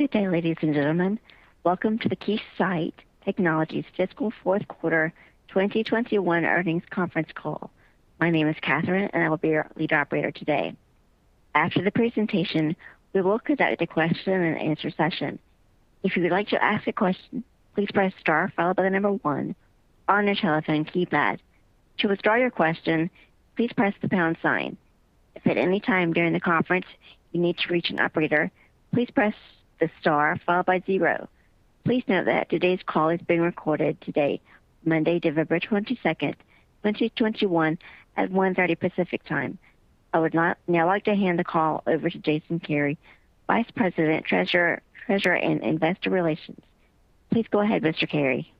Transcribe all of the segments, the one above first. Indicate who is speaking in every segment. Speaker 1: Good day, ladies and gentlemen. Welcome to the Keysight Technologies Fiscal Fourth Quarter 2021 Earnings Conference Call. My name is Catherine, and I will be your lead operator today. After the presentation, we will conduct a question-and-answer session. If you would like to ask a question, please press star followed by the number one on your telephone keypad. To withdraw your question, please press the pound sign. If at any time during the conference you need to reach an operator, please press the star followed by zero. Please note that today's call is being recorded today, Monday, November 22, 2021 at 1:30 P.M. Pacific Time. I would now like to hand the call over to Jason Kary, Vice President, Treasurer and Investor Relations. Please go ahead, Mr. Kary.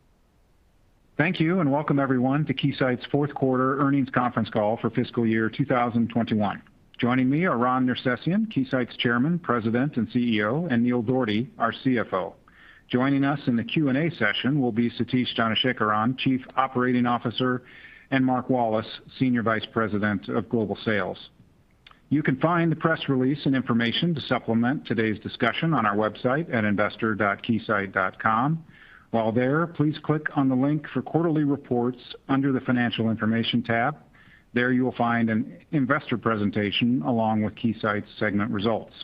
Speaker 2: Thank you, and welcome everyone to Keysight's fourth quarter earnings conference call for fiscal year 2021. Joining me are Ron Nersesian, Keysight's Chairman, President, and CEO, and Neil Dougherty, our CFO. Joining us in the Q&A session will be Satish Dhanasekaran, Chief Operating Officer, and Mark Wallace, Senior Vice President of Global Sales. You can find the press release and information to supplement today's discussion on our website at investor.keysight.com. While there, please click on the link for Quarterly Reports under the Financial Information tab. There you will find an investor presentation along with Keysight's segment results.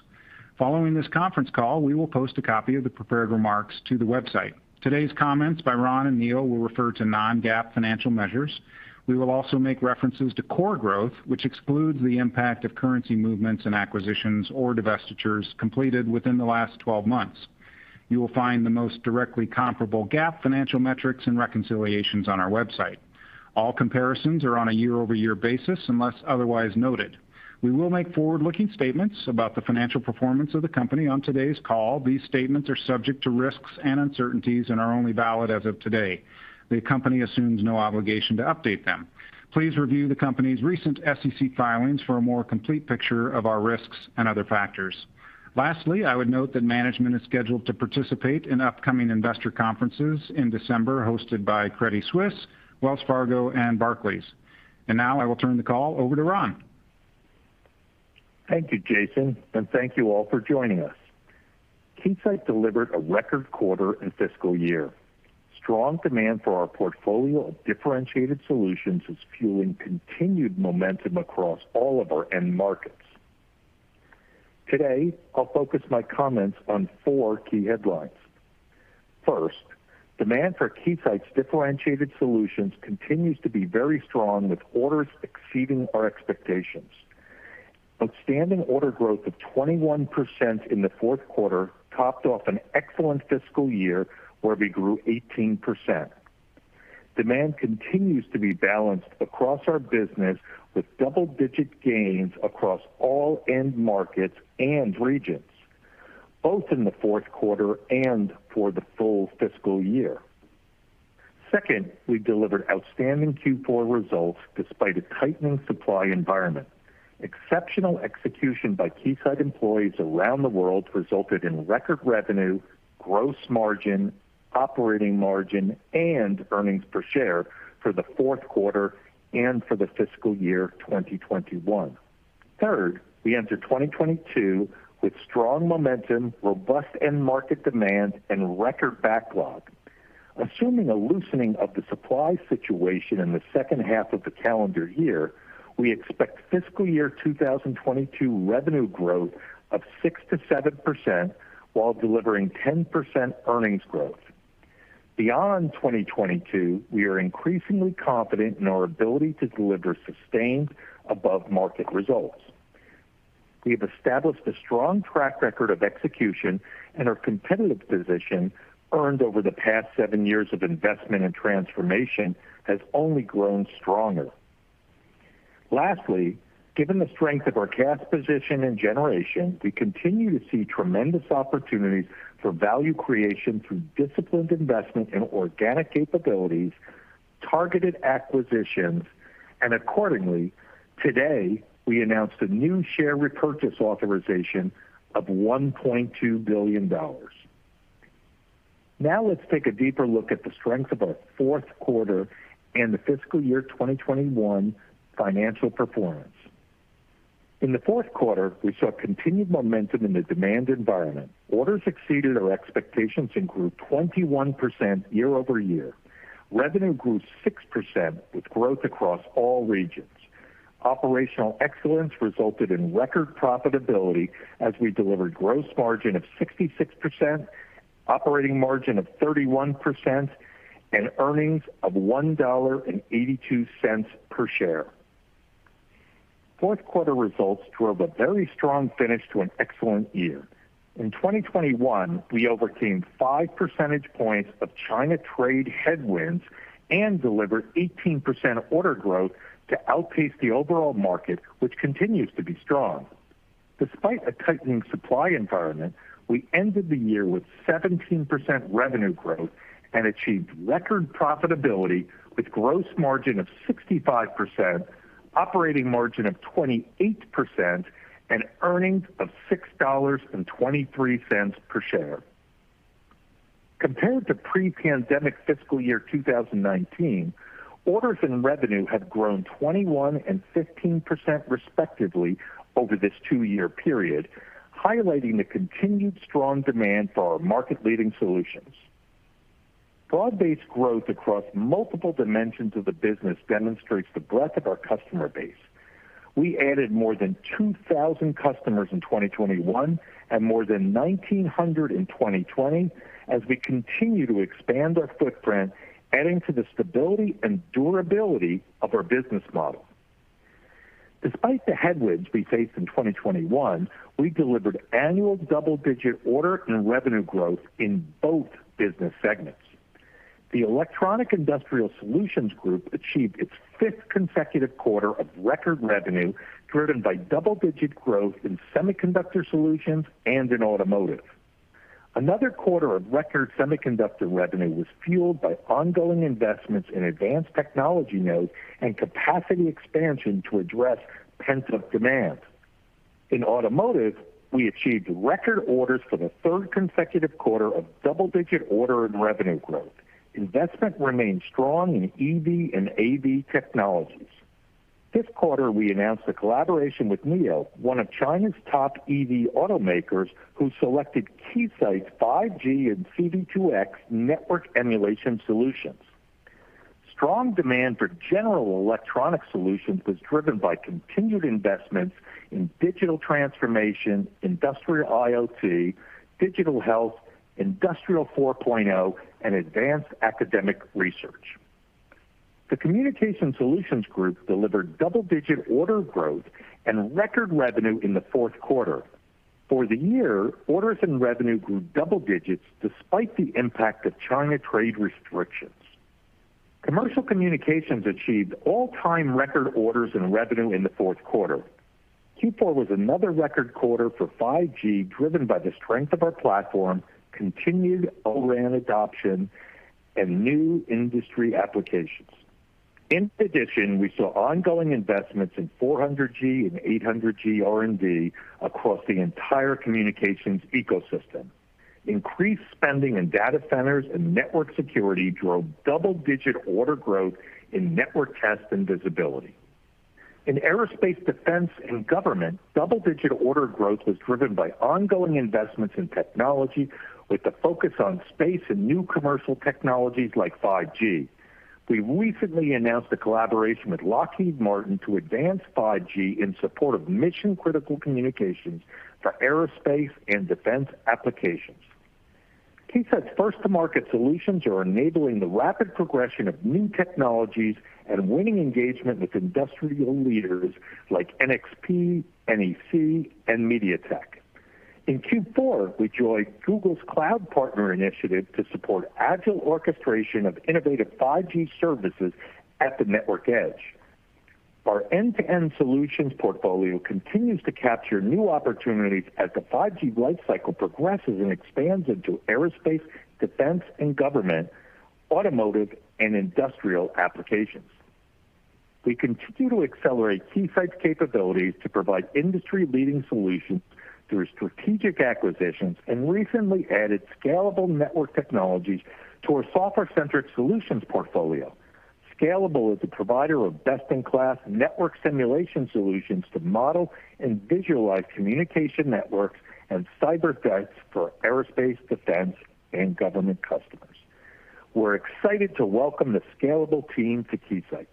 Speaker 2: Following this conference call, we will post a copy of the prepared remarks to the website. Today's comments by Ron and Neil will refer to non-GAAP financial measures. We will also make references to core growth, which excludes the impact of currency movements and acquisitions or divestitures completed within the last 12 months. You will find the most directly comparable GAAP financial metrics and reconciliations on our website. All comparisons are on a year-over-year basis unless otherwise noted. We will make forward-looking statements about the financial performance of the company on today's call. These statements are subject to risks and uncertainties and are only valid as of today. The company assumes no obligation to update them. Please review the company's recent SEC filings for a more complete picture of our risks and other factors. Lastly, I would note that management is scheduled to participate in upcoming investor conferences in December hosted by Credit Suisse, Wells Fargo, and Barclays. Now I will turn the call over to Ron.
Speaker 3: Thank you, Jason, and thank you all for joining us. Keysight delivered a record quarter and fiscal year. Strong demand for our portfolio of differentiated solutions is fueling continued momentum across all of our end markets. Today, I'll focus my comments on four key headlines. First, demand for Keysight's differentiated solutions continues to be very strong, with orders exceeding our expectations. Outstanding order growth of 21% in the fourth quarter topped off an excellent fiscal year where we grew 18%. Demand continues to be balanced across our business with double-digit gains across all end markets and regions, both in the fourth quarter and for the full fiscal year. Second, we delivered outstanding Q4 results despite a tightening supply environment. Exceptional execution by Keysight employees around the world resulted in record revenue, gross margin, operating margin, and earnings per share for the fourth quarter and for the fiscal year 2021. Third, we enter 2022 with strong momentum, robust end market demand, and record backlog. Assuming a loosening of the supply situation in the second half of the calendar year, we expect fiscal year 2022 revenue growth of 6%-7% while delivering 10% earnings growth. Beyond 2022, we are increasingly confident in our ability to deliver sustained above-market results. We have established a strong track record of execution, and our competitive position, earned over the past seven years of investment and transformation, has only grown stronger. Lastly, given the strength of our cash position and generation, we continue to see tremendous opportunities for value creation through disciplined investment in organic capabilities, targeted acquisitions, and accordingly, today, we announced a new share repurchase authorization of $1.2 billion. Now let's take a deeper look at the strength of our fourth quarter and the fiscal year 2021 financial performance. In the fourth quarter, we saw continued momentum in the demand environment. Orders exceeded our expectations and grew 21% year-over-year. Revenue grew 6% with growth across all regions. Operational excellence resulted in record profitability as we delivered gross margin of 66%, operating margin of 31%, and earnings of $1.82 per share. Fourth quarter results drove a very strong finish to an excellent year. In 2021, we overcame 5 percentage points of China trade headwinds and delivered 18% order growth to outpace the overall market, which continues to be strong. Despite a tightening supply environment, we ended the year with 17% revenue growth and achieved record profitability with gross margin of 65%, operating margin of 28%, and earnings of $6.23 per share. Compared to pre-pandemic fiscal year 2019, orders and revenue have grown 21% and 15% respectively over this two-year period, highlighting the continued strong demand for our market-leading solutions. Broad-based growth across multiple dimensions of the business demonstrates the breadth of our customer base. We added more than 2,000 customers in 2021 and more than 1,900 in 2020 as we continue to expand our footprint, adding to the stability and durability of our business model. Despite the headwinds we faced in 2021, we delivered annual double-digit order and revenue growth in both business segments. The Electronic Industrial Solutions Group achieved its fifth consecutive quarter of record revenue, driven by double-digit growth in semiconductor solutions and in automotive. Another quarter of record semiconductor revenue was fueled by ongoing investments in advanced technology nodes and capacity expansion to address pent-up demand. In automotive, we achieved record orders for the third consecutive quarter of double-digit order and revenue growth. Investment remains strong in EV and AV technologies. This quarter we announced a collaboration with NIO, one of China's top EV automakers, who selected Keysight's 5G and C-V2X network emulation solutions. Strong demand for general electronic solutions was driven by continued investments in digital transformation, industrial IoT, digital health, Industry 4.0, and advanced academic research. The Communications Solutions Group delivered double-digit order growth and record revenue in the fourth quarter. For the year, orders and revenue grew double digits despite the impact of China trade restrictions. Commercial communications achieved all-time record orders and revenue in the fourth quarter. Q4 was another record quarter for 5G, driven by the strength of our platform, continued O-RAN adoption, and new industry applications. In addition, we saw ongoing investments in 400G and 800G R&D across the entire communications ecosystem. Increased spending in data centers and network security drove double-digit order growth in network test and visibility. In Aerospace, Defense, and Government, double-digit order growth was driven by ongoing investments in technology with a focus on space and new commercial technologies like 5G. We recently announced a collaboration with Lockheed Martin to advance 5G in support of mission-critical communications for aerospace and defense applications. Keysight's first-to-market solutions are enabling the rapid progression of new technologies and winning engagement with industrial leaders like NXP, NEC, and MediaTek. In Q4, we joined Google's Cloud Partner initiative to support agile orchestration of innovative 5G services at the network edge. Our end-to-end solutions portfolio continues to capture new opportunities as the 5G life cycle progresses and expands into Aerospace, Defense, and Government, automotive, and industrial applications. We continue to accelerate Keysight's capabilities to provide industry-leading solutions through strategic acquisitions and recently added SCALABLE Network Technologies to our software-centric solutions portfolio. SCALABLE is a provider of best-in-class network simulation solutions to model and visualize communication networks and cyber threats for Aerospace, Defense, and Government customers. We're excited to welcome the SCALABLE team to Keysight.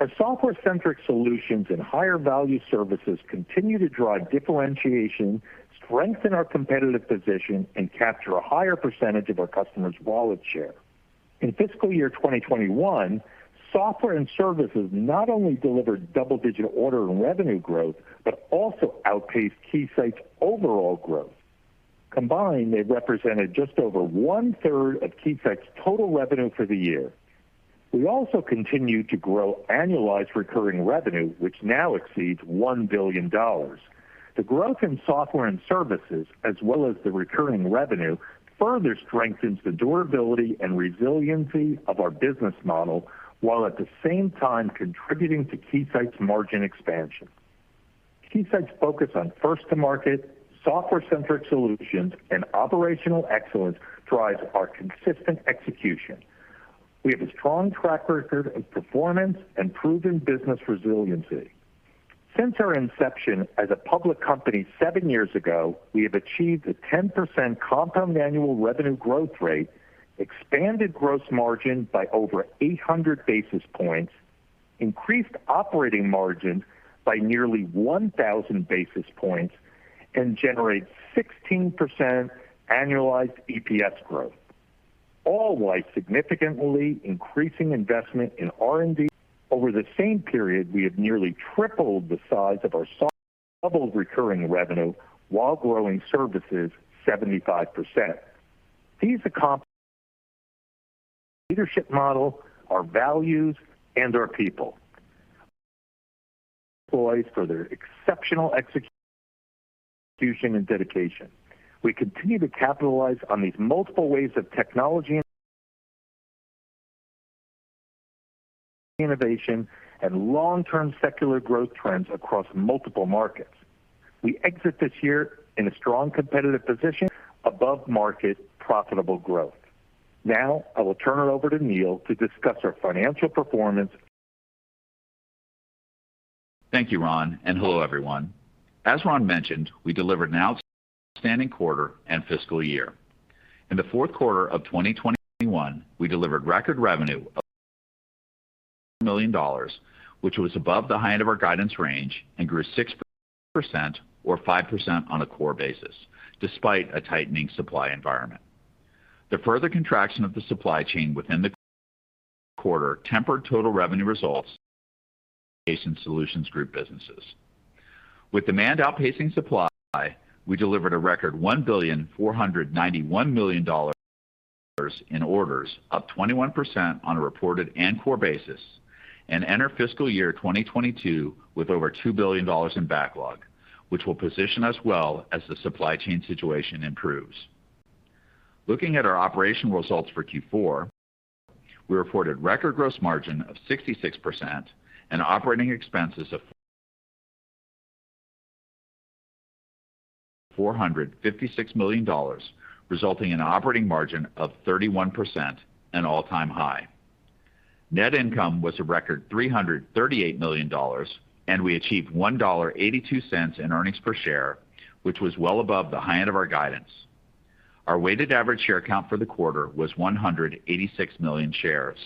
Speaker 3: Our software-centric solutions and higher-value services continue to drive differentiation, strengthen our competitive position, and capture a higher percentage of our customers' wallet share. In fiscal year 2021, software and services not only delivered double-digit order and revenue growth, but also outpaced Keysight's overall growth. Combined, they represented just over 1/3 of Keysight's total revenue for the year. We also continued to grow annualized recurring revenue, which now exceeds $1 billion. The growth in software and services, as well as the recurring revenue, further strengthens the durability and resiliency of our business model, while at the same time contributing to Keysight's margin expansion. Keysight's focus on first-to-market, software-centric solutions, and operational excellence drives our consistent execution. We have a strong track record of performance and proven business resiliency. Since our inception as a public company seven years ago, we have achieved a 10% compound annual revenue growth rate, expanded gross margin by over 800 basis points, increased operating margin by nearly 1,000 basis points, and generate 16% annualized EPS growth, all while significantly increasing investment in R&D. Over the same period, we have nearly tripled the size of our software, doubled recurring revenue while growing services 75%. These accomplishments are due to our leadership model, our values, and our people. We thank our Employees for their exceptional execution and dedication. We continue to capitalize on these multiple waves of technology innovation and long-term secular growth trends across multiple markets. We exit this year in a strong competitive position above-market profitable growth. Now, I will turn it over to Neil to discuss our financial performance.
Speaker 4: Thank you, Ron, and hello, everyone. As Ron mentioned, we delivered an outstanding quarter and fiscal year. In the fourth quarter of 2021, we delivered record revenue of $1.41 billion, which was above the high end of our guidance range and grew 6% or 5% on a core basis, despite a tightening supply environment. The further contraction of the supply chain within the quarter tempered total revenue results in Solutions Group businesses. With demand outpacing supply, we delivered a record $1.491 billion in orders, up 21% on a reported and core basis, and enter fiscal year 2022 with over $2 billion in backlog, which will position us well as the supply chain situation improves. Looking at our operational results for Q4, we reported record gross margin of 66% and operating expenses of $456 million, resulting in operating margin of 31% all-time high. Net income was a record $338 million, and we achieved $1.82 in earnings per share, which was well above the high end of our guidance. Our weighted average share count for the quarter was 186 million shares.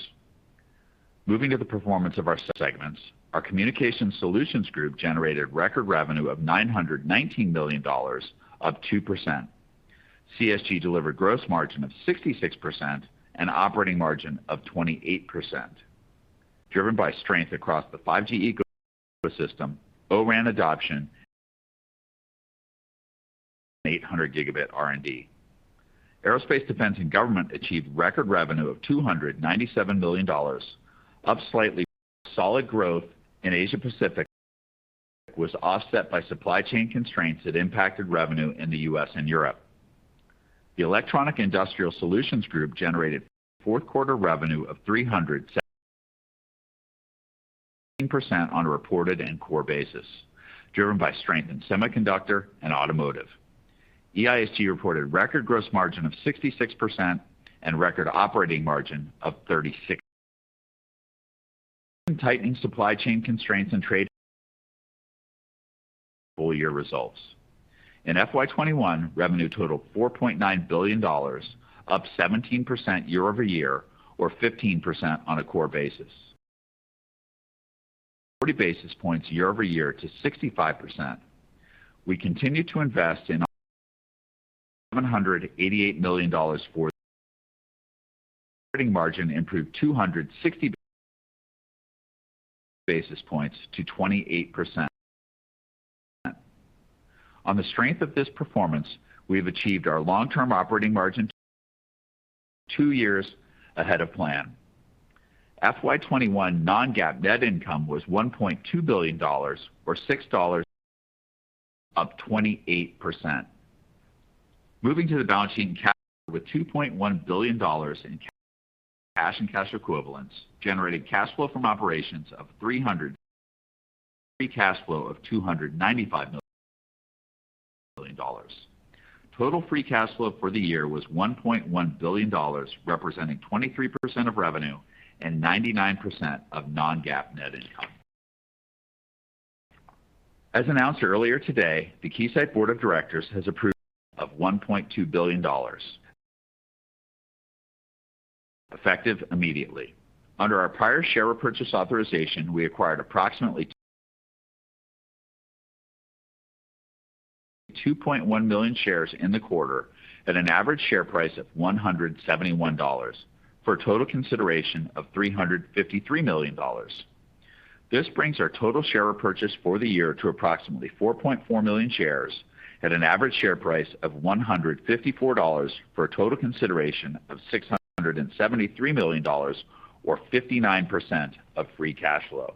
Speaker 4: Moving to the performance of our segments, our Communications Solutions Group generated record revenue of $919 million, up 2%. CSG delivered gross margin of 66% and operating margin of 28%, driven by strength across the 5G ecosystem, O-RAN adoption, and 800G R&D. Aerospace, Defense, and Government achieved record revenue of $297 million, up slightly with solid growth in Asia Pacific, was offset by supply chain constraints that impacted revenue in the U.S. and Europe. The Electronic Industrial Solutions Group generated fourth quarter revenue of $317 million on a reported and core basis, driven by strength in semiconductor and automotive. EISG reported record gross margin of 66% and record operating margin of 36%. Tightening supply chain constraints and trade full year results. In FY 2021, revenue totaled $4.9 billion, up 17% year-over-year or 15% on a core basis. Forty basis points year-over-year to 65%. We continue to invest in $788 million dollars for operating margin improved 260 basis points to 28%. On the strength of this performance, we have achieved our long-term operating margin two years ahead of plan. FY 2021 non-GAAP net income was $1.2 billion or $6, up 28%. Moving to the balance sheet and cash with $2.1 billion in cash and cash equivalents, generated cash flow from operations of $300 million, free cash flow of $295 million. Total free cash flow for the year was $1.1 billion, representing 23% of revenue and 99% of non-GAAP net income. As announced earlier today, the Keysight board of directors has approved of $1.2 billion, effective immediately. Under our prior share repurchase authorization, we acquired approximately 2.1 million shares in the quarter at an average share price of $171, for a total consideration of $353 million. This brings our total share purchase for the year to approximately 4.4 million shares at an average share price of $154 for a total consideration of $673 million or 59% of free cash flow.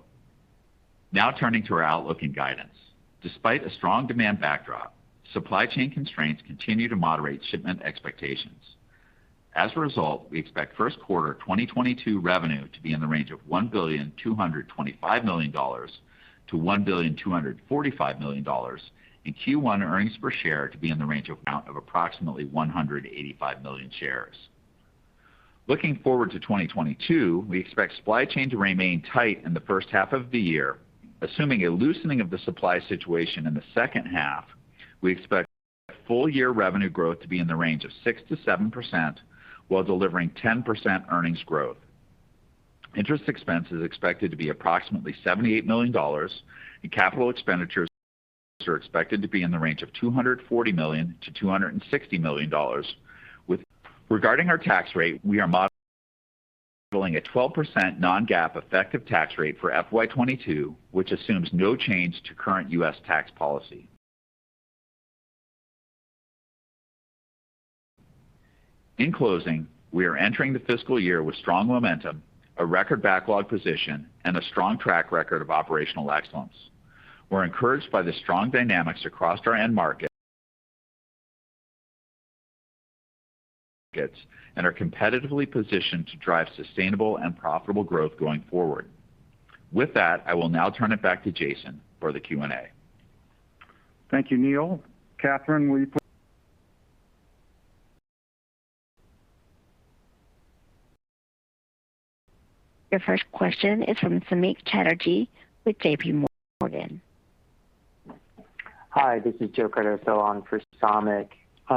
Speaker 4: Now turning to our outlook and guidance. Despite a strong demand backdrop, supply chain constraints continue to moderate shipment expectations. As a result, we expect first quarter 2022 revenue to be in the range of $1.225 billion-$1.245 billion, and Q1 earnings per share to be in the range of amount of approximately 185 million shares. Looking forward to 2022, we expect supply chain to remain tight in the first half of the year. Assuming a loosening of the supply situation in the second half, we expect full year revenue growth to be in the range of 6%-7% while delivering 10% earnings growth. Interest expense is expected to be approximately $78 million, and capital expenditures are expected to be in the range of $240 million-$260 million. Regarding our tax rate, we are modeling a 12% non-GAAP effective tax rate for FY 2022, which assumes no change to current U.S. tax policy. In closing, we are entering the fiscal year with strong momentum, a record backlog position, and a strong track record of operational excellence. We're encouraged by the strong dynamics across our end markets and are competitively positioned to drive sustainable and profitable growth going forward. With that, I will now turn it back to Jason for the Q&A.
Speaker 2: Thank you, Neil. Catherine, will you please.
Speaker 1: Your first question is from Samik Chatterjee with JPMorgan.
Speaker 5: Hi, this is Joseph Cardoso on for Samik.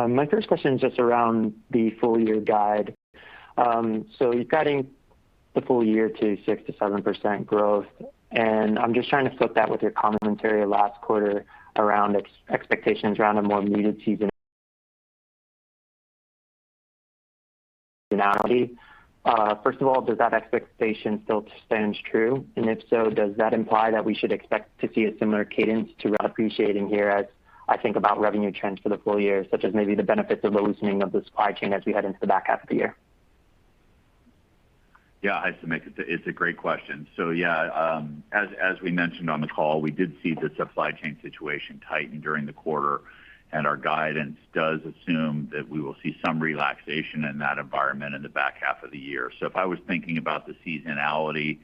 Speaker 5: My first question is just around the full year guide. You're guiding the full year to 6%-7% growth, and I'm just trying to fit that with your commentary last quarter around expectations around a more muted seasonality. First of all, does that expectation still stands true? If so, does that imply that we should expect to see a similar cadence to accelerating here as I think about revenue trends for the full year, such as maybe the benefits of loosening of the supply chain as we head into the back half of the year?
Speaker 4: Yeah. Hi, Samik. It's a great question. As we mentioned on the call, we did see the supply chain situation tighten during the quarter, and our guidance does assume that we will see some relaxation in that environment in the back half of the year. If I was thinking about the seasonality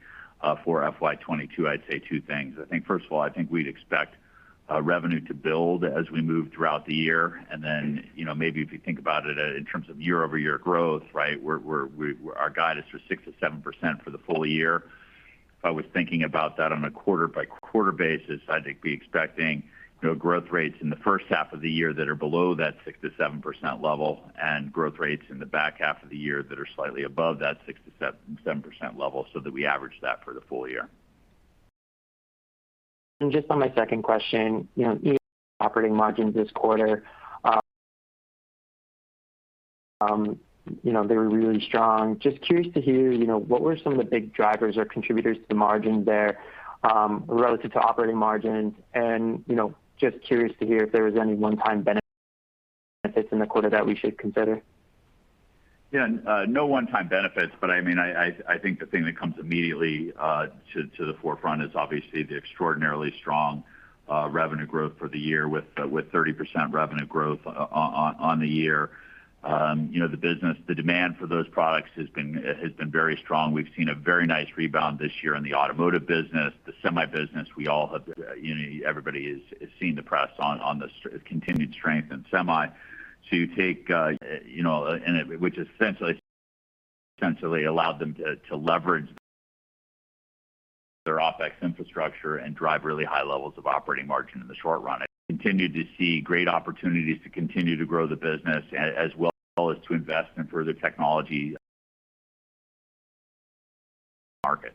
Speaker 4: for FY 2022, I'd say two things. I think first of all, I think we'd expect revenue to build as we move throughout the year. You know, maybe if you think about it in terms of year-over-year growth, right, our guidance for 6%-7% for the full year. If I was thinking about that on a quarter-by-quarter basis, I'd be expecting, you know, growth rates in the first half of the year that are below that 6%-7% level, and growth rates in the back half of the year that are slightly above that 6%-7% level, so that we average that for the full year.
Speaker 5: Just on my second question, you know, operating margins this quarter, you know, they were really strong. Just curious to hear, you know, what were some of the big drivers or contributors to the margin there, relative to operating margins? Just curious to hear if there was any one-time benefits in the quarter that we should consider.
Speaker 4: Yeah. No one-time benefits, but I mean, I think the thing that comes immediately to the forefront is obviously the extraordinarily strong revenue growth for the year with 30% revenue growth on the year. You know, the business. The demand for those products has been very strong. We've seen a very nice rebound this year in the automotive business. The semi business, we all have, you know, everybody is seeing the press on the continued strength in semi. You take, you know. Which essentially allowed them to leverage their OpEx infrastructure and drive really high levels of operating margin in the short run. I continue to see great opportunities to continue to grow the business as well as to invest in further technology markets.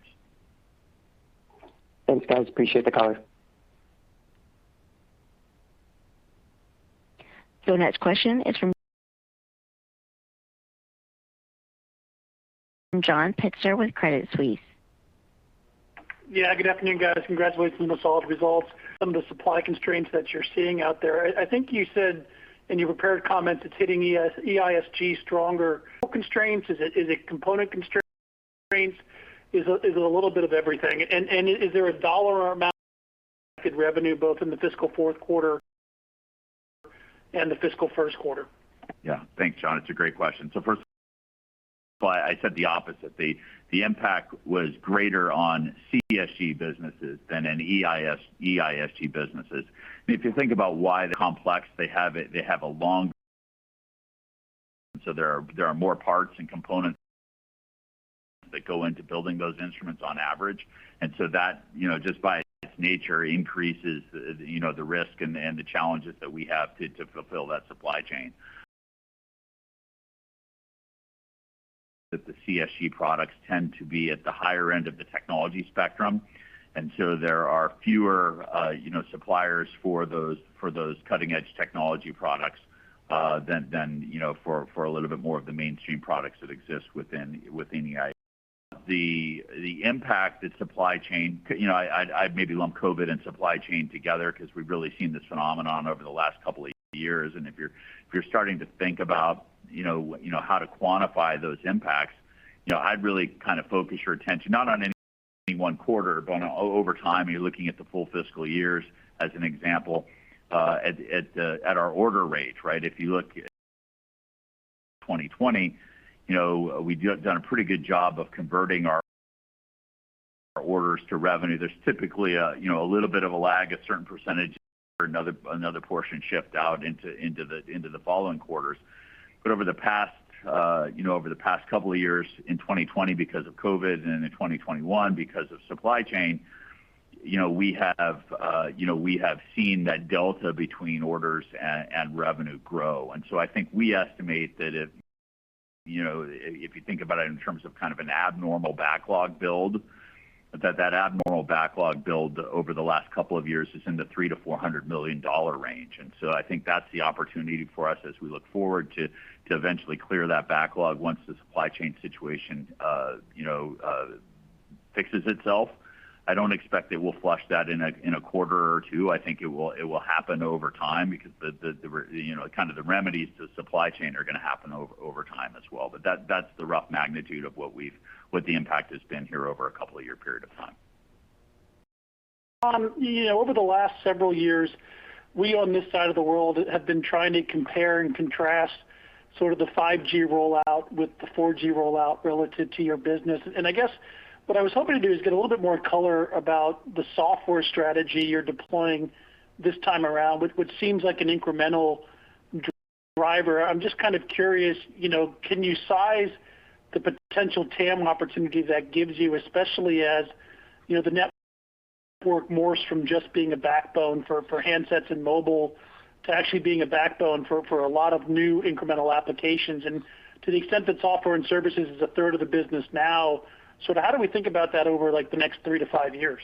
Speaker 5: Thanks, guys. Appreciate the color.
Speaker 1: The next question is from John Pitzer with Credit Suisse.
Speaker 6: Yeah, good afternoon, guys. Congratulations on the solid results. Some of the supply constraints that you're seeing out there. I think you said in your prepared comments it's hitting EISG stronger. Constraints, is it component constraints? Is it a little bit of everything? And is there a dollar amount of revenue both in the fiscal fourth quarter and the fiscal first quarter?
Speaker 4: Thanks, John. It's a great question. First, I said the opposite. The impact was greater on CSG businesses than in EISG businesses. If you think about why, there are more parts and components that go into building those instruments on average. That just by its nature increases the risk and the challenges that we have to fulfill that supply chain. The CSG products tend to be at the higher end of the technology spectrum, and there are fewer suppliers for those cutting edge technology products than for a little bit more of the mainstream products that exist within EISG. The impact that supply chain. You know, I maybe lump COVID and supply chain together 'cause we've really seen this phenomenon over the last couple of years. If you're starting to think about, you know, how to quantify those impacts, you know, I'd really kind of focus your attention not on any one quarter, but over time, you're looking at the full fiscal years as an example, at our order rate, right? If you look 2020, you know, we'd done a pretty good job of converting our orders to revenue. There's typically you know, a little bit of a lag, a certain percentage or another portion shift out into the following quarters. Over the past couple of years in 2020 because of COVID and in 2021 because of supply chain, you know, we have seen that delta between orders and revenue grow. I think we estimate that if you think about it in terms of kind of an abnormal backlog build, that abnormal backlog build over the last couple of years is in the $300 million-$400 million range. I think that's the opportunity for us as we look forward to eventually clear that backlog once the supply chain situation fixes itself. I don't expect that we'll flush that in a quarter or two. I think it will happen over time because the you know, kind of the remedies to supply chain are gonna happen over time as well. That's the rough magnitude of what the impact has been here over a couple year period of time.
Speaker 6: You know, over the last several years, we on this side of the world have been trying to compare and contrast sort of the 5G rollout with the 4G rollout relative to your business. I guess what I was hoping to do is get a little bit more color about the software strategy you're deploying this time around, which seems like an incremental driver. I'm just kind of curious, you know, can you size the potential TAM opportunity that gives you, especially as, you know, the network morphs from just being a backbone for handsets and mobile to actually being a backbone for a lot of new incremental applications? To the extent that software and services is a third of the business now, sort of how do we think about that over, like, the next three to five years?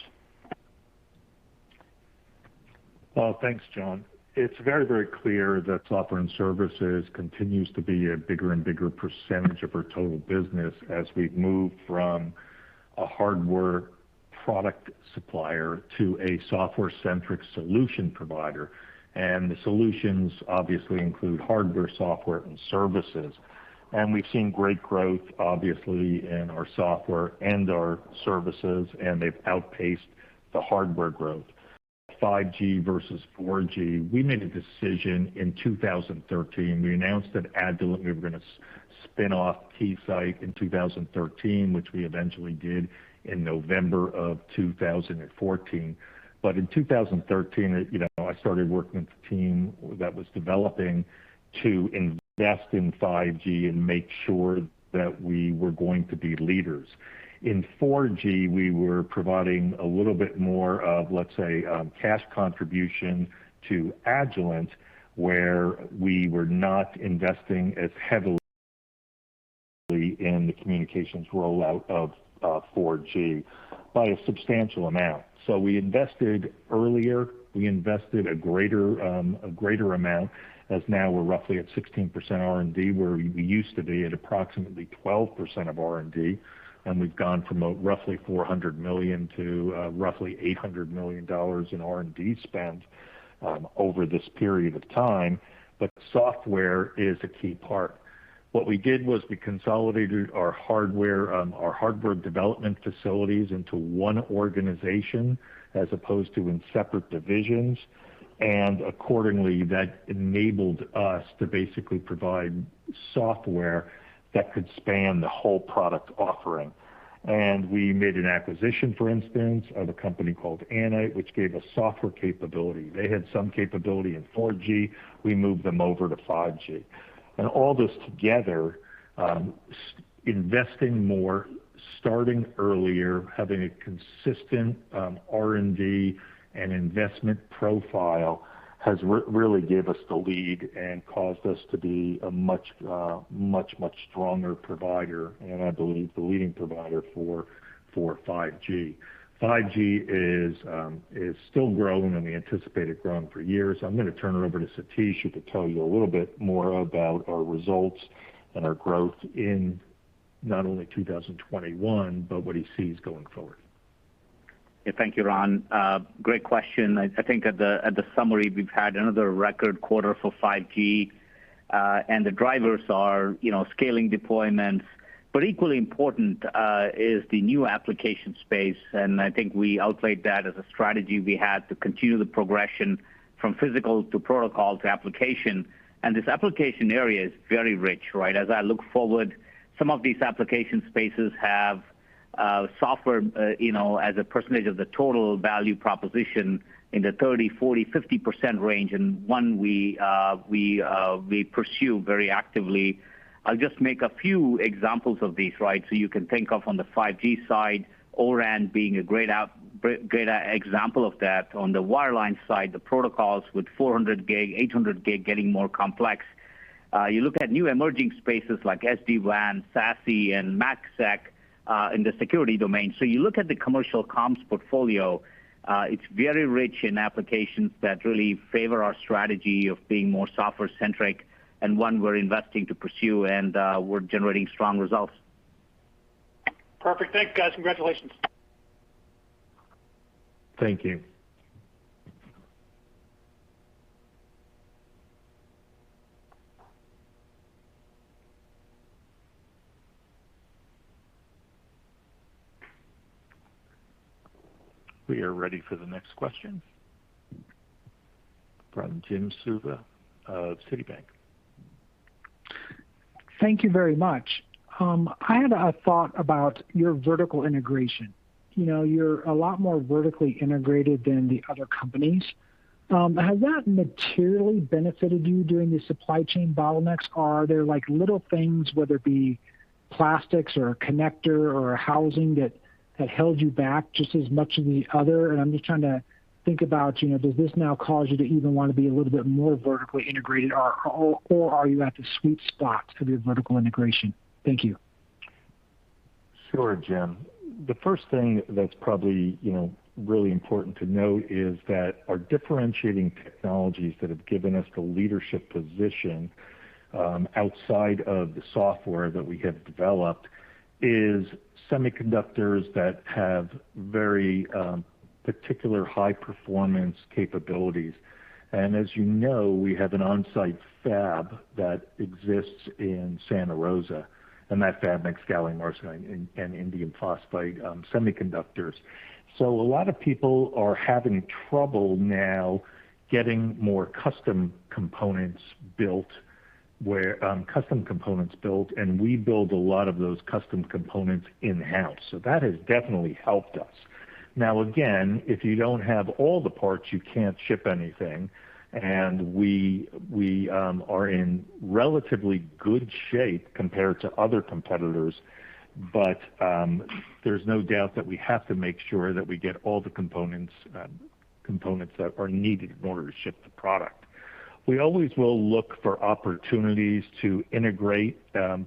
Speaker 3: Well, thanks, John. It's very, very clear that software and services continues to be a bigger and bigger percentage of our total business as we've moved from a hardware product supplier to a software-centric solution provider. The solutions obviously include hardware, software, and services. We've seen great growth, obviously, in our software and our services, and they've outpaced the hardware growth. 5G versus 4G, we made a decision in 2013. We announced that Agilent's were gonna spin off Keysight in 2013, which we eventually did in November of 2014. In 2013, you know, I started working with the team that was developing to invest in 5G and make sure that we were going to be leaders. In 4G, we were providing a little bit more of, let's say, cash contribution to Agilent's, where we were not investing as heavily in the communications rollout of 4G by a substantial amount. We invested earlier, we invested a greater amount, as now we're roughly at 16% R&D, where we used to be at approximately 12% of R&D. We've gone from a roughly $400 million to roughly $800 million in R&D spend over this period of time. Software is a key part. What we did was we consolidated our hardware development facilities into one organization as opposed to in separate divisions. Accordingly, that enabled us to basically provide software that could span the whole product offering. We made an acquisition, for instance, of a company called Anite, which gave us software capability. They had some capability in 4G. We moved them over to 5G. All this together, spending more, investing more, starting earlier, having a consistent R&D and investment profile has really gave us the lead and caused us to be a much stronger provider, and I believe the leading provider for 5G. 5G is still growing and we anticipate it growing for years. I'm gonna turn it over to Satish, who could tell you a little bit more about our results and our growth in not only 2021, but what he sees going forward.
Speaker 7: Yeah. Thank you, Ron. Great question. I think at the summary, we've had another record quarter for 5G, and the drivers are, you know, scaling deployments. Equally important is the new application space, and I think we outlaid that as a strategy we had to continue the progression from physical to protocol to application. This application area is very rich, right? As I look forward, some of these application spaces have software, you know, as a percentage of the total value proposition in the 30%-50% range, and one we pursue very actively. I'll just make a few examples of these, right? You can think of on the 5G side, O-RAN being a great example of that. On the wireline side, the protocols with 400G, 800G getting more complex. You look at new emerging spaces like SD-WAN, SASE, and MACsec in the security domain. You look at the commercial comms portfolio. It's very rich in applications that really favor our strategy of being more software centric and one we're investing to pursue, and we're generating strong results.
Speaker 6: Perfect. Thanks, guys. Congratulations.
Speaker 2: Thank you. We are ready for the next question from Jim Suva of Citi.
Speaker 8: Thank you very much. I had a thought about your vertical integration. You know, you're a lot more vertically integrated than the other companies. Has that materially benefited you during the supply chain bottlenecks, or are there, like, little things, whether it be plastics or a connector or a housing that had held you back just as much as the other? I'm just trying to think about, you know, does this now cause you to even want to be a little bit more vertically integrated or are you at the sweet spot for your vertical integration? Thank you.
Speaker 3: Sure, Jim. The first thing that's probably, you know, really important to note is that our differentiating technologies that have given us the leadership position. Outside of the software that we have developed is semiconductors that have very particular high performance capabilities. As you know, we have an on-site fab that exists in Santa Rosa, and that fab makes gallium arsenide and indium phosphide semiconductors. A lot of people are having trouble now getting more custom components built, and we build a lot of those custom components in-house. That has definitely helped us. Now, again, if you don't have all the parts, you can't ship anything, and we are in relatively good shape compared to other competitors. There's no doubt that we have to make sure that we get all the components that are needed in order to ship the product. We always will look for opportunities to integrate,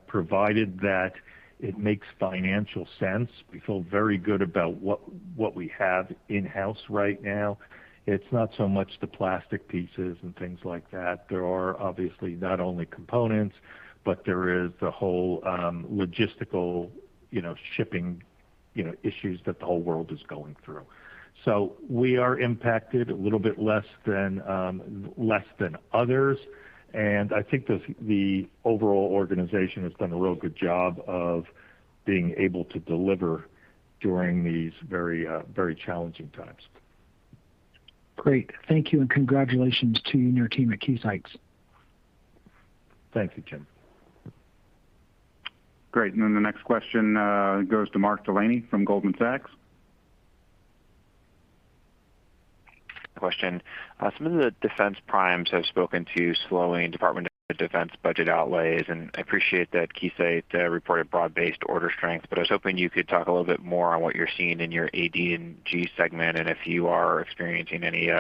Speaker 3: provided that it makes financial sense. We feel very good about what we have in-house right now. It's not so much the plastic pieces and things like that. There are obviously not only components, but there is the whole logistical, you know, shipping, you know, issues that the whole world is going through. We are impacted a little bit less than others, and I think the overall organization has done a real good job of being able to deliver during these very, very challenging times.
Speaker 8: Great. Thank you, and congratulations to you and your team at Keysight.
Speaker 3: Thank you, Jim.
Speaker 2: Great. The next question goes to Mark Delaney from Goldman Sachs.
Speaker 9: Question. Some of the defense primes have spoken to slowing Department of Defense budget outlays, and I appreciate that Keysight reported broad-based order strength, but I was hoping you could talk a little bit more on what you're seeing in your A&D&G segment, and if you are experiencing any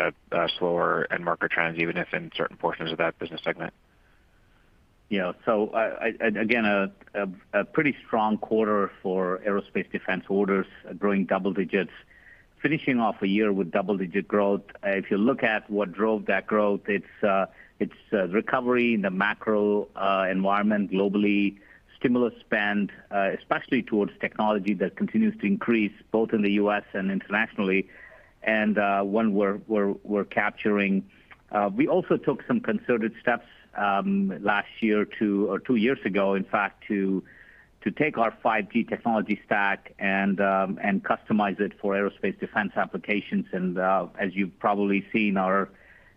Speaker 9: slower end market trends, even if in certain portions of that business segment.
Speaker 3: Again, a pretty strong quarter for aerospace defense orders growing double digits, finishing off a year with double-digit growth. If you look at what drove that growth, it's recovery in the macro environment globally, stimulus spend, especially towards technology that continues to increase both in the U.S. and internationally, and one we're capturing. We also took some concerted steps last year or two years ago, in fact, to take our 5G technology stack and customize it for aerospace defense applications. As you've probably seen our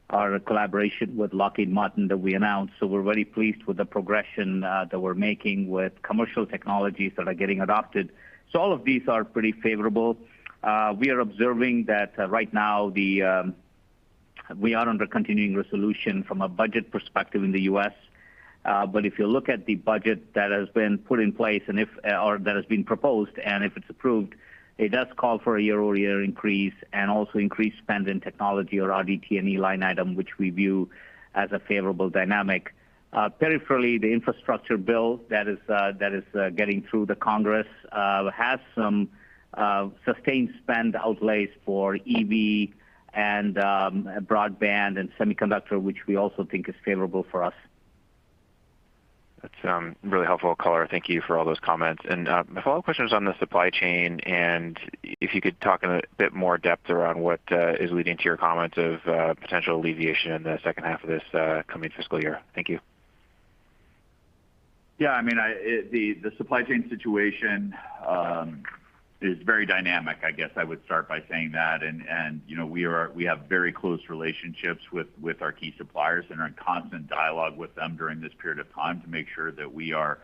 Speaker 3: collaboration with Lockheed Martin that we announced. We're very pleased with the progression that we're making with commercial technologies that are getting adopted. All of these are pretty favorable. We are observing that right now we are under continuing resolution from a budget perspective in the U.S. If you look at the budget that has been put in place or that has been proposed, and if it's approved, it does call for a year-over-year increase and also increased spend in technology or RDT&E line item, which we view as a favorable dynamic. Peripherally, the infrastructure bill that is getting through the Congress has some sustained spend outlays for EV and broadband and semiconductor, which we also think is favorable for us.
Speaker 9: That's really helpful color. Thank you for all those comments. My follow-up question is on the supply chain, and if you could talk in a bit more depth around what is leading to your comments of potential alleviation in the second half of this coming fiscal year. Thank you.
Speaker 4: I mean, the supply chain situation is very dynamic. I guess I would start by saying that. We have very close relationships with our key suppliers and are in constant dialogue with them during this period of time to make sure that we are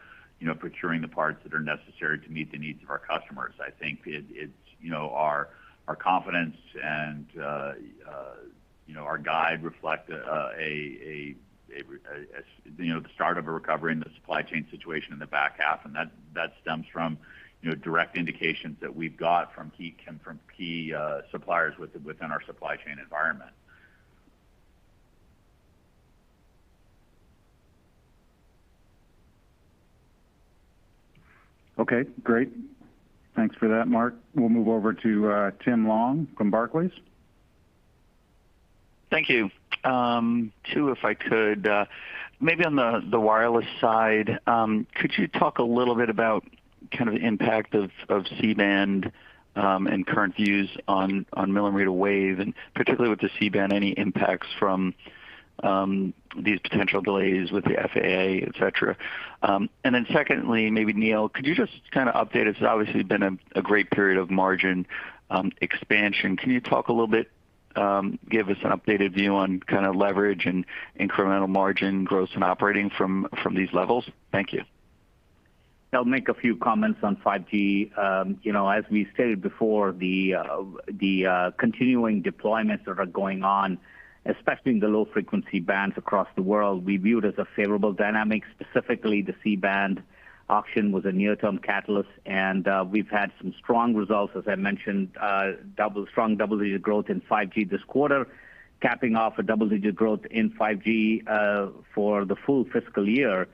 Speaker 4: procuring the parts that are necessary to meet the needs of our customers. I think it's, you know, our confidence and, you know, our guidance reflects the start of a recovery in the supply chain situation in the back half. That stems from, you know, direct indications that we've got from key suppliers within our supply chain environment.
Speaker 2: Okay. Great. Thanks for that, Mark. We'll move over to Tim Long from Barclays.
Speaker 10: Thank you. Two, if I could. Maybe on the wireless side, could you talk a little bit about kind of the impact of C-band, and current views on millimeter wave? Particularly with the C-band, any impacts from these potential delays with the FAA, etc. Then secondly, maybe Neil, could you just kinda update us? Obviously been a great period of margin expansion. Can you talk a little bit, give us an updated view on kinda leverage and incremental margin growth and operating from these levels? Thank you. I'll make a few comments on 5G. You know, as we stated before, the continuing deployments that are going on, especially in the low frequency bands across the world, we viewed as a favorable dynamic. Specifically, the C-band auction was a near-term catalyst, and we've had some strong results, as I mentioned, strong double-digit growth in 5G this quarter, capping off a double-digit growth in 5G for the full fiscal year,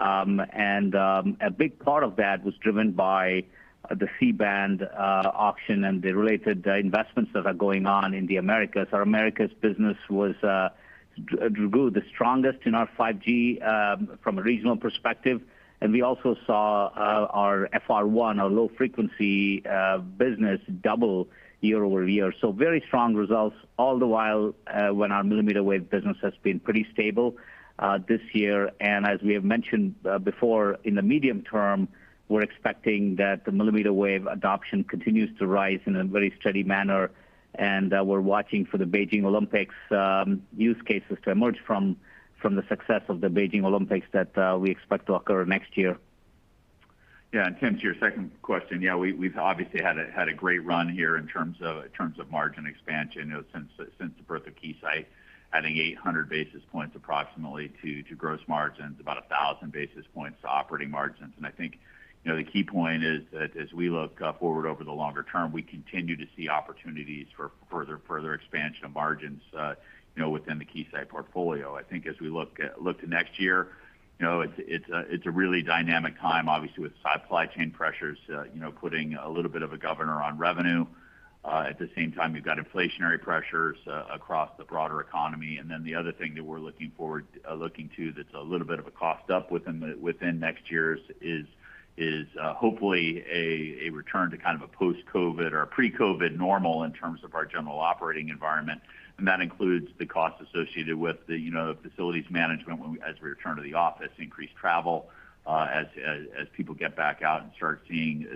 Speaker 10: and a big part of that was driven by the C-band auction and the related investments that are going on in the Americas. Our Americas business drew the strongest in our 5G from a regional perspective. We also saw our FR1, our low frequency business double year over year. Very strong results all the while when our millimeter wave business has been pretty stable this year. As we have mentioned before in the medium term, we're expecting that the millimeter wave adoption continues to rise in a very steady manner, and that we're watching for the Beijing Olympics use cases to emerge from the success of the Beijing Olympics that we expect to occur next year.
Speaker 4: Yeah. Tim, to your second question, yeah, we've obviously had a great run here in terms of margin expansion, you know, since the birth of Keysight, adding approximately 800 basis points to gross margins, about 1,000 basis points to operating margins. I think, you know, the key point is that as we look forward over the longer term, we continue to see opportunities for further expansion of margins, you know, within the Keysight portfolio. I think as we look to next year, you know, it's a really dynamic time, obviously with supply chain pressures, you know, putting a little bit of a governor on revenue. At the same time, you've got inflationary pressures across the broader economy. Then the other thing that we're looking to that's a little bit of a cost up within next year's is hopefully a return to kind of a post-COVID or pre-COVID normal in terms of our general operating environment. That includes the cost associated with the, you know, facilities management as we return to the office, increased travel, as people get back out and start seeing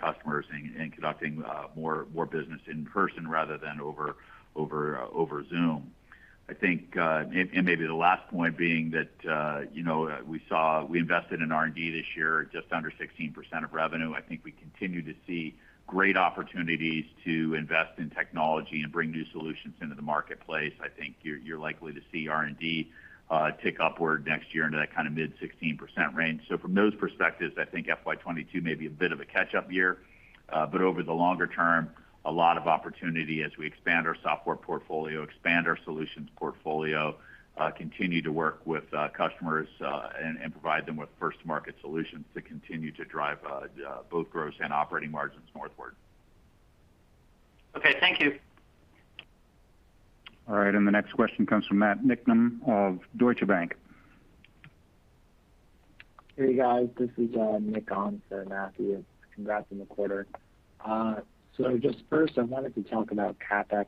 Speaker 4: customers and conducting more business in person rather than over Zoom. I think maybe the last point being that, you know, we invested in R&D this year, just under 16% of revenue. I think we continue to see great opportunities to invest in technology and bring new solutions into the marketplace. I think you're likely to see R&D tick upward next year into that kind of mid-16% range. From those perspectives, I think FY 2022 may be a bit of a catch-up year. Over the longer term, a lot of opportunity as we expand our software portfolio, expand our solutions portfolio, continue to work with customers, and provide them with first market solutions to continue to drive both gross and operating margins northward.
Speaker 10: Okay, thank you.
Speaker 2: All right, the next question comes from Matthew Niknam of Deutsche Bank.
Speaker 11: Hey, guys, this is Bryan Kraft for Matthew. Congrats on the quarter. Just first I wanted to talk about CapEx.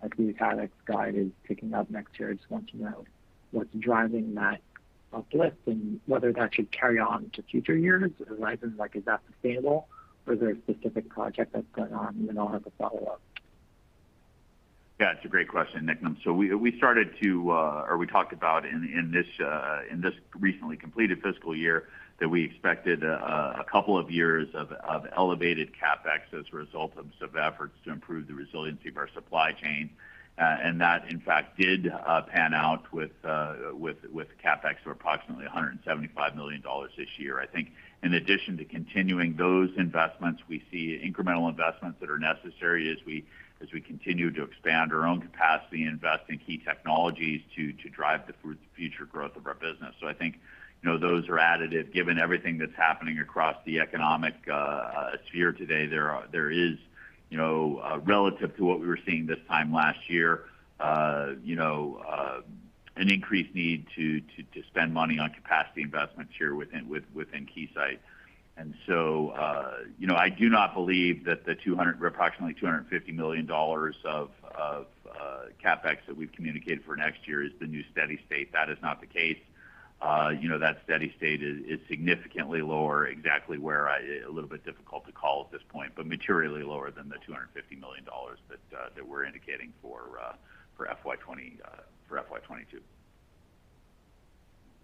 Speaker 11: I see CapEx guide is picking up next year. I just want to know what's driving that uplift and whether that should carry on to future years. Like, is that sustainable or is there a specific project that's going on? Then I'll have a follow-up.
Speaker 4: Yeah, it's a great question, Bryan. We talked about in this recently completed fiscal year that we expected a couple of years of elevated CapEx as a result of some efforts to improve the resiliency of our supply chain. That in fact did pan out with CapEx of approximately $175 million this year. I think in addition to continuing those investments, we see incremental investments that are necessary as we continue to expand our own capacity and invest in key technologies to drive the future growth of our business. I think, you know, those are additive. Given everything that's happening across the economic sphere today, there is, you know, relative to what we were seeing this time last year, an increased need to spend money on capacity investments here within Keysight. I do not believe that the $200 million or approximately $250 million of CapEx that we've communicated for next year is the new steady state. That is not the case. That steady state is significantly lower. Exactly where, I a little bit difficult to call at this point, but materially lower than the $250 million that we're indicating for FY 2022.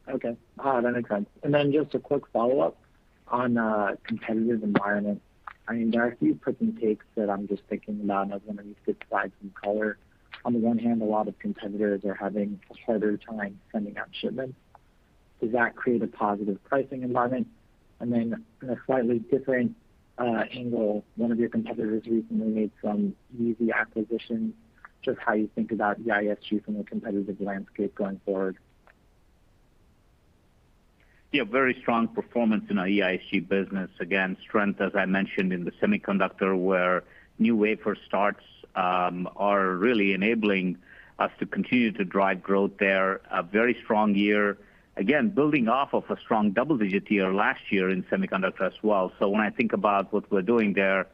Speaker 12: Okay. That makes sense. Just a quick follow-up on competitive environment. I mean, there are a few puts and takes that I'm just thinking about and I was wondering if you could provide some color. On the one hand, a lot of competitors are having a harder time sending out shipments. Does that create a positive pricing environment? In a slightly different angle, one of your competitors recently made some easy acquisitions. Just how you think about the EISG from a competitive landscape going forward?
Speaker 3: Yeah, very strong performance in our EISG business. Again, strength, as I mentioned in the semiconductor, where new wafer starts are really enabling us to continue to drive growth there. A very strong year. Again, building off of a strong double-digit year last year in semiconductor as well. When I think about what we're doing there,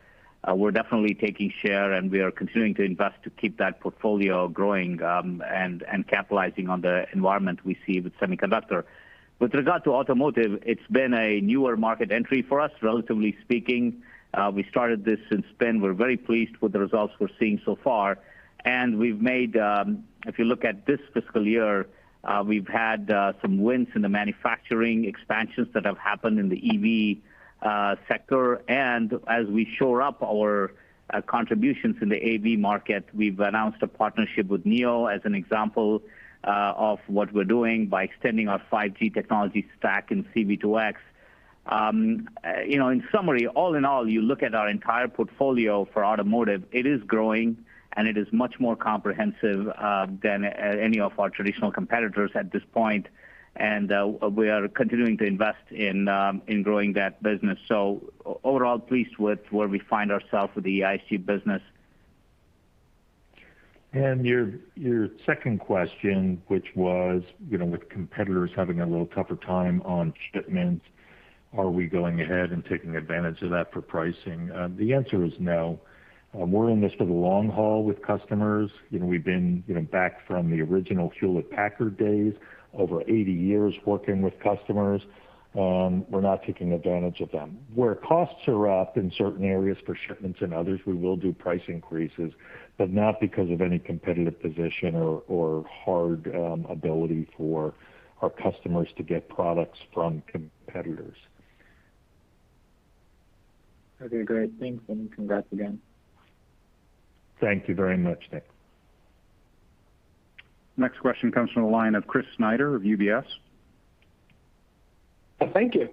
Speaker 3: we're definitely taking share and we are continuing to invest to keep that portfolio growing, and capitalizing on the environment we see with semiconductor. With regard to automotive, it's been a newer market entry for us, relatively speaking. We started this since then. We're very pleased with the results we're seeing so far. We've made, if you look at this fiscal year, we've had some wins in the manufacturing expansions that have happened in the EV sector. As we shore up our contributions in the AV market, we've announced a partnership with NIO as an example of what we're doing by extending our 5G technology stack in C-V2X, you know, in summary, all in all, you look at our entire portfolio for automotive. It is growing, and it is much more comprehensive than any of our traditional competitors at this point. We are continuing to invest in growing that business. Overall, pleased with where we find ourselves with the semiconductor business.
Speaker 4: Your second question, which was, you know, with competitors having a little tougher time on shipments, are we going ahead and taking advantage of that for pricing? The answer is no. We're in this for the long haul with customers. You know, we've been, you know, back from the original Hewlett-Packard days, over 80 years working with customers. We're not taking advantage of them. Where costs are up in certain areas for shipments and others, we will do price increases, but not because of any competitive position or ability for our customers to get products from competitors.
Speaker 11: Okay, great. Thanks, and congrats again.
Speaker 3: Thank you very much, Nik.
Speaker 2: Next question comes from the line of Chris Snyder of UBS.
Speaker 13: Thank you.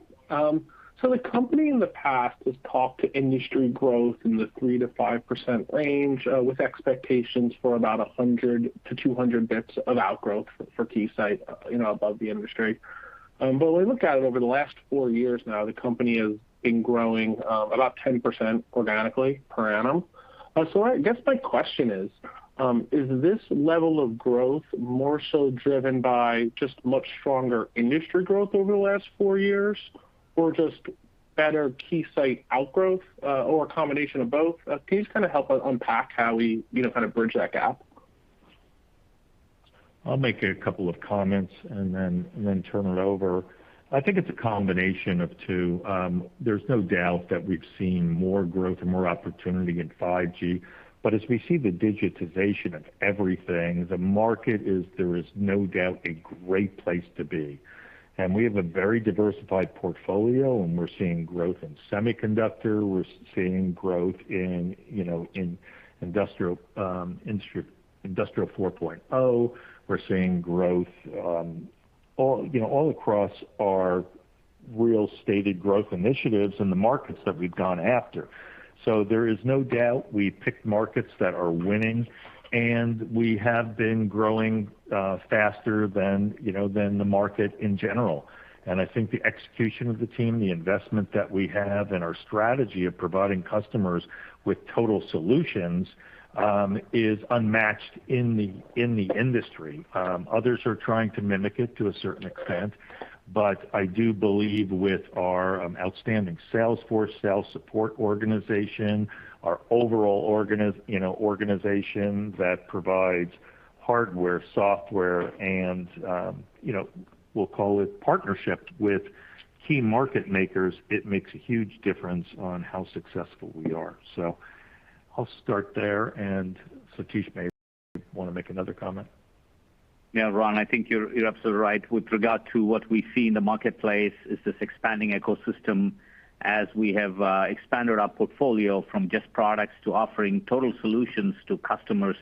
Speaker 13: The company in the past has talked to industry growth in the 3%-5% range, with expectations for about 100-200 BPS of outgrowth for Keysight, you know, above the industry. When we look at it over the last four years now, the company has been growing, about 10% organically per annum. I guess my question is this level of growth more so driven by just much stronger industry growth over the last four years or just better Keysight outgrowth, or a combination of both? Can you just kinda help us unpack how we, you know, kind of bridge that gap?
Speaker 3: I'll make a couple of comments and then turn it over. I think it's a combination of two. There's no doubt that we've seen more growth and more opportunity in 5G. As we see the digitization of everything, the market is a great place to be. We have a very diversified portfolio, and we're seeing growth in semiconductor. We're seeing growth in, you know, in industrial Industry 4.0. We're seeing growth all, you know, all across our restated growth initiatives in the markets that we've gone after. There is no doubt we picked markets that are winning, and we have been growing faster than the market in general. I think the execution of the team, the investment that we have, and our strategy of providing customers with total solutions is unmatched in the industry. Others are trying to mimic it to a certain extent, but I do believe with our outstanding sales force, sales support organization, our overall organization that provides hardware, software, and you know, we'll call it partnership with key market makers, it makes a huge difference on how successful we are. I'll start there, and Satish may want to make another comment.
Speaker 7: Yeah, Ron, I think you're absolutely right. With regard to what we see in the marketplace is this expanding ecosystem as we have expanded our portfolio from just products to offering total solutions to customers.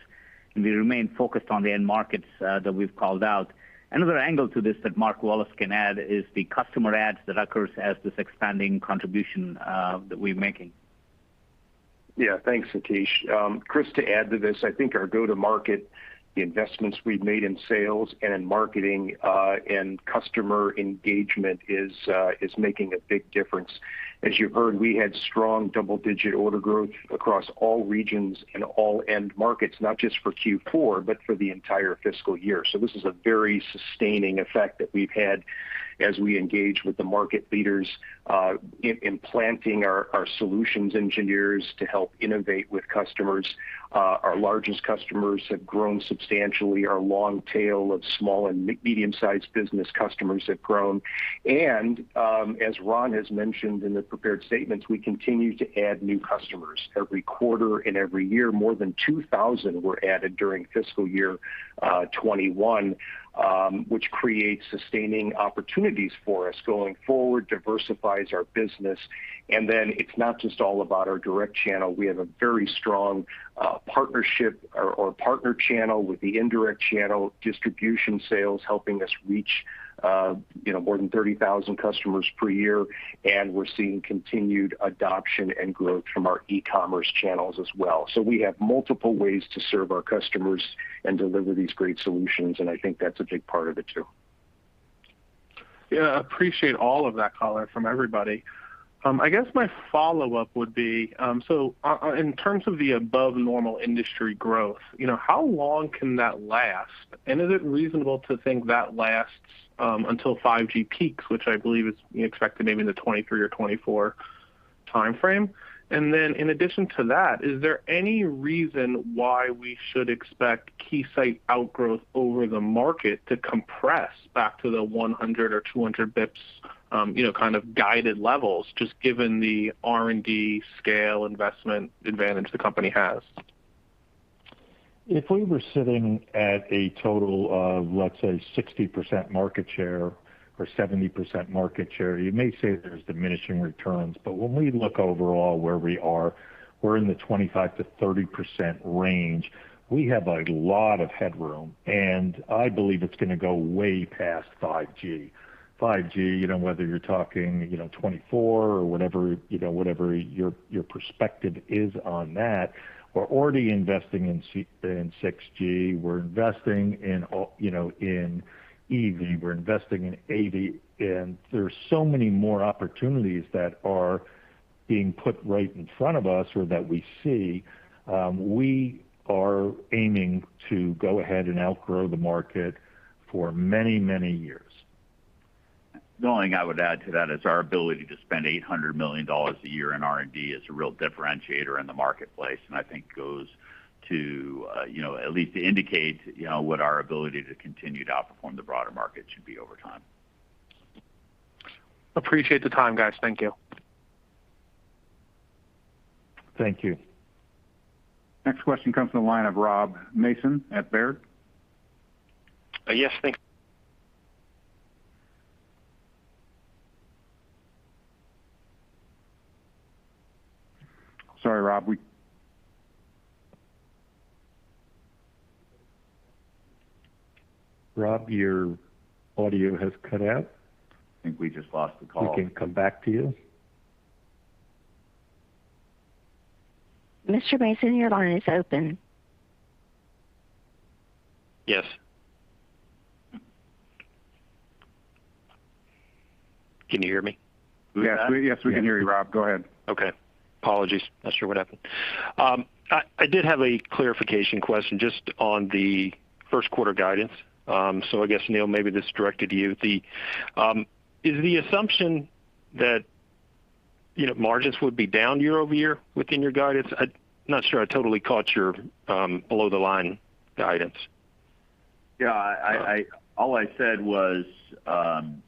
Speaker 7: We remain focused on the end markets that we've called out. Another angle to this that Mark Wallace can add is the customer adds that occurs as this expanding contribution that we're making.
Speaker 14: Yeah. Thanks, Satish. Chris, to add to this, I think our go-to-market, the investments we've made in sales and in marketing, and customer engagement is making a big difference. As you heard, we had strong double-digit order growth across all regions and all end markets, not just for Q4, but for the entire fiscal year. This is a very sustaining effect that we've had as we engage with the market leaders, in placing our solutions engineers to help innovate with customers. Our largest customers have grown substantially. Our long tail of small and medium-sized business customers have grown. As Ron has mentioned in the prepared statements, we continue to add new customers every quarter and every year. More than 2,000 were added during fiscal year 2021, which creates sustaining opportunities for us going forward, diversifies our business. Then it's not just all about our direct channel. We have a very strong partnership or partner channel with the indirect channel distribution sales helping us reach, you know, more than 30,000 customers per year, and we're seeing continued adoption and growth from our e-commerce channels as well. We have multiple ways to serve our customers and deliver these great solutions, and I think that's a big part of it too.
Speaker 13: Yeah. I appreciate all of that color from everybody. I guess my follow-up would be, so, in terms of the above normal industry growth, you know, how long can that last? Is it reasonable to think that lasts, until 5G peaks, which I believe is expected maybe in the 2023 or 2024 timeframe? In addition to that, is there any reason why we should expect Keysight outgrowth over the market to compress back to the 100 or 200 BPS, you know, kind of guided levels, just given the R&D scale investment advantage the company has?
Speaker 3: If we were sitting at a total of, let's say, 60% market share or 70% market share, you may say there's diminishing returns. When we look overall where we are, we're in the 25%-30% range. We have a lot of headroom, and I believe it's going to go way past 5G. 5G, you know, whether you're talking, you know, 2024 or whatever, you know, whatever your perspective is on that, we're already investing in 6G. We're investing in you know, in EV. We're investing in AD. And there's so many more opportunities that are being put right in front of us or that we see. We are aiming to go ahead and outgrow the market for many, many years.
Speaker 4: The only thing I would add to that is our ability to spend $800 million a year in R&D is a real differentiator in the marketplace, and I think goes to, you know, at least to indicate, you know, what our ability to continue to outperform the broader market should be over time.
Speaker 13: Appreciate the time, guys. Thank you.
Speaker 3: Thank you.
Speaker 2: Next question comes from the line of Rob Mason at Baird.
Speaker 15: Yes.
Speaker 2: Sorry, Rob.
Speaker 3: Rob, your audio has cut out.
Speaker 4: I think we just lost the call.
Speaker 3: We can come back to you.
Speaker 1: Mr. Mason, your line is open.
Speaker 15: Yes. Can you hear me?
Speaker 2: Yes. Yes, we can hear you, Rob. Go ahead.
Speaker 15: Okay. Apologies. Not sure what happened. I did have a clarification question just on the first quarter guidance. So I guess, Neil, maybe this is directed to you. Is the assumption that, you know, margins would be down year-over-year within your guidance? I'm not sure I totally caught your below the line guidance.
Speaker 4: Yeah. All I said was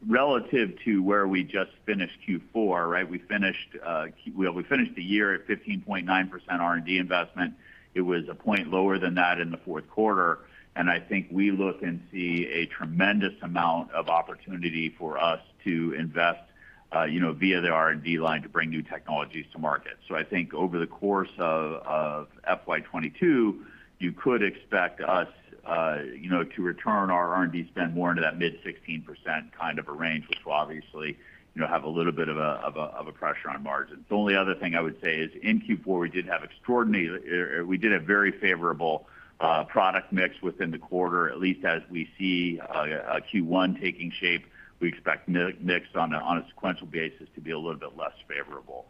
Speaker 4: relative to where we just finished Q4, right? We finished the year at 15.9% R&D investment. It was 1% lower than that in the fourth quarter. I think we look and see a tremendous amount of opportunity for us to invest, you know, via the R&D line to bring new technologies to market. I think over the course of FY 2022, you could expect us, you know, to return our R&D spend more into that mid-16% kind of a range, which will obviously, you know, have a little bit of a pressure on margins. The only other thing I would say is in Q4, we did a very favorable product mix within the quarter, at least as we see Q1 taking shape. We expect mix on a sequential basis to be a little bit less favorable.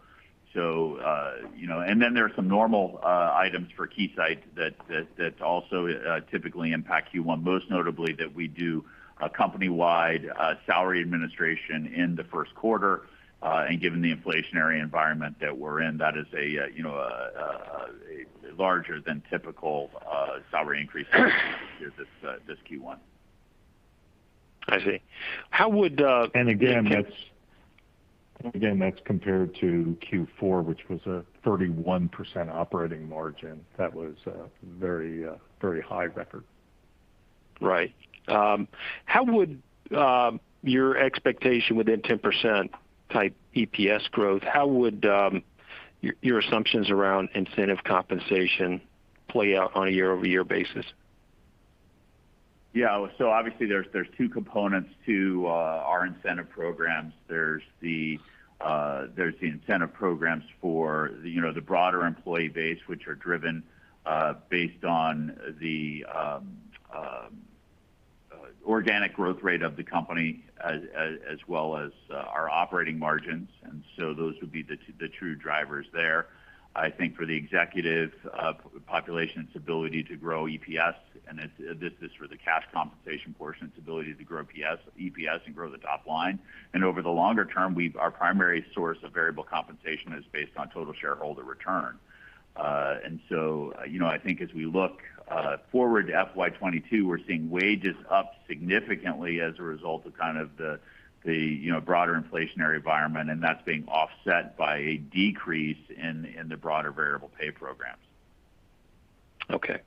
Speaker 4: Then there are some normal items for Keysight that also typically impact Q1, most notably that we do a company-wide salary administration in the first quarter, and given the inflationary environment that we're in, that is a larger than typical salary increase this Q1.
Speaker 15: I see. How would
Speaker 4: That's compared to Q4, which was a 31% operating margin. That was a very, very high record.
Speaker 15: Right. How would your expectation within 10% type EPS growth, how would your assumptions around incentive compensation play out on a year-over-year basis?
Speaker 4: Obviously there are two components to our incentive programs. There are the incentive programs for, you know, the broader employee base, which are driven based on the organic growth rate of the company as well as our operating margins. Those would be the true drivers there. I think for the executive population, it's ability to grow EPS, and this is for the cash compensation portion, it's ability to grow EPS and grow the top line. Over the longer term, our primary source of variable compensation is based on total shareholder return. You know, I think as we look forward to FY 2022, we're seeing wages up significantly as a result of kind of the broader inflationary environment, and that's being offset by a decrease in the broader variable pay programs.
Speaker 15: Okay,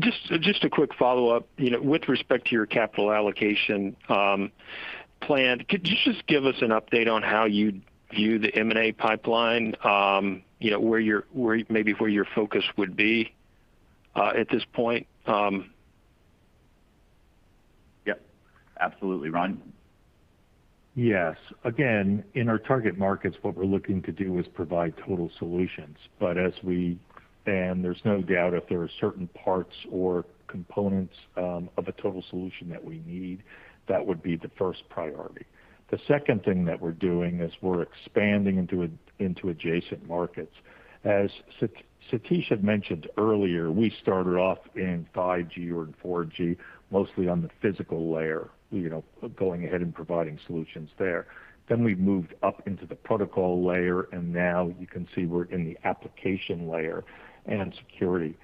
Speaker 15: just a quick follow-up. You know, with respect to your capital allocation plan, could you just give us an update on how you view the M&A pipeline, you know, where maybe your focus would be at this point?
Speaker 4: Yep, absolutely. Rob?
Speaker 3: Yes. Again, in our target markets, what we're looking to do is provide total solutions. And there's no doubt if there are certain parts or components of a total solution that we need, that would be the first priority. The second thing that we're doing is we're expanding into adjacent markets. As Satish had mentioned earlier, we started off in 5G or in 4G, mostly on the physical layer, you know, going ahead and providing solutions there. Then we moved up into the protocol layer, and now you can see we're in the application layer and security.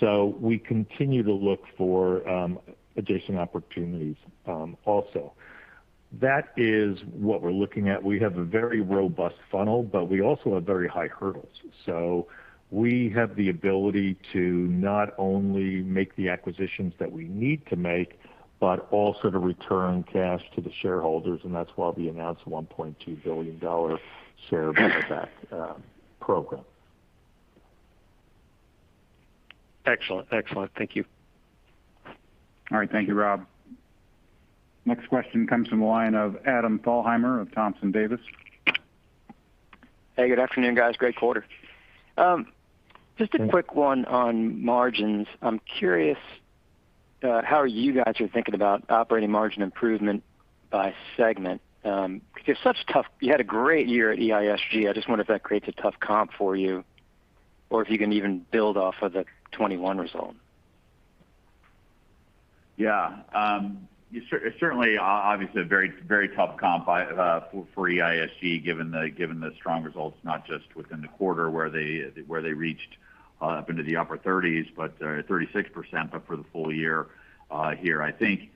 Speaker 3: So we continue to look for adjacent opportunities, also. That is what we're looking at. We have a very robust funnel, but we also have very high hurdles. We have the ability to not only make the acquisitions that we need to make, but also to return cash to the shareholders, and that's why we announced $1.2 billion share buyback program.
Speaker 15: Excellent. Thank you.
Speaker 2: All right. Thank you, Rob. Next question comes from the line of Adam Thalhimer of Thompson Davis & Co.
Speaker 16: Hey, good afternoon, guys. Great quarter. Just a quick one on margins. I'm curious how you guys are thinking about operating margin improvement by segment. 'Cause it's such tough. You had a great year at EISG. I just wonder if that creates a tough comp for you or if you can even build off of the 2021 result.
Speaker 4: Certainly, obviously a very tough comp for EISG, given the strong results, not just within the quarter where they reached up into the upper thirties, but 36% for the full year here. I think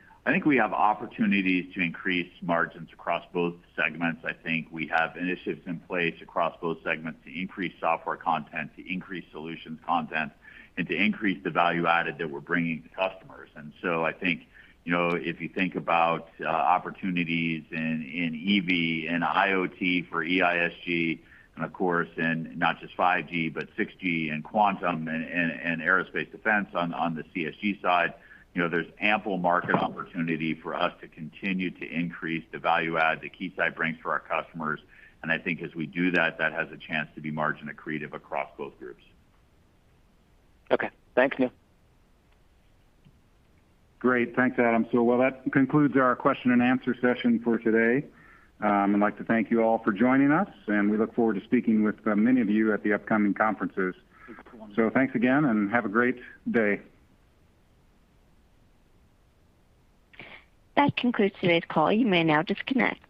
Speaker 4: we have opportunities to increase margins across both segments. I think we have initiatives in place across both segments to increase software content, to increase solutions content, and to increase the value added that we're bringing to customers. I think, you know, if you think about opportunities in EV and IoT for EISG and of course, in not just 5G, but 6G and quantum and aerospace defense on the CSG side, you know, there's ample market opportunity for us to continue to increase the value add that Keysight brings for our customers. I think as we do that has a chance to be margin accretive across both groups.
Speaker 16: Okay. Thanks, Neil.
Speaker 2: Great. Thanks, Adam. Well, that concludes our question and answer session for today. I'd like to thank you all for joining us, and we look forward to speaking with many of you at the upcoming conferences. Thanks again, and have a great day.
Speaker 1: That concludes today's call. You may now disconnect.